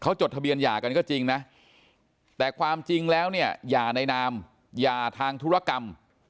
จดทะเบียนหย่ากันก็จริงนะแต่ความจริงแล้วเนี่ยอย่าในนามอย่าทางธุรกรรม